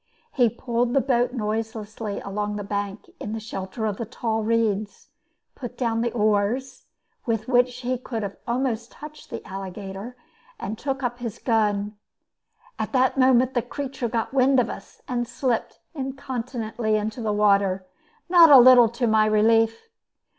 He pulled the boat noiselessly against the bank in the shelter of tall reeds, put down the oars, with which he could almost have touched the alligator, and took up his gun. At that moment the creature got wind of us, and slipped incontinently into the water, not a little to my relief.